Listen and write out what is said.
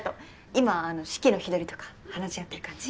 今式の日取りとか話し合ってる感じ。